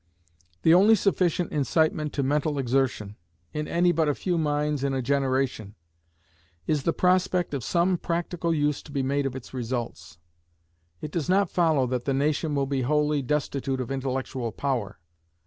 The only sufficient incitement to mental exertion, in any but a few minds in a generation, is the prospect of some practical use to be made of its results. It does not follow that the nation will be wholly destitute of intellectual power.